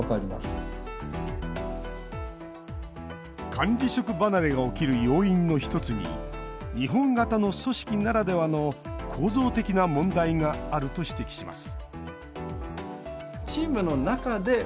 管理職離れが起きる要因の１つに日本型の組織ならではの構造的な問題があると指摘します